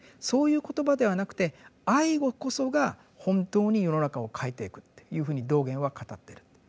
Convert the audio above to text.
そういう言葉ではなくて「愛語」こそが本当に世の中を変えていくっていうふうに道元は語ってる。